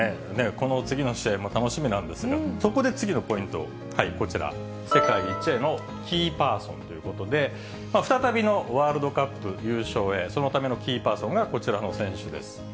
この次の試合も楽しみなんですが、そこで次のポイント、こちら、世界一へのキーパーソンということで、再びのワールドカップ優勝へ、そのためのキーパーソンがこちらの選手です。